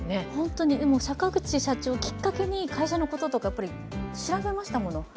坂口社長をきっかけに会社のこととか調べましたもん。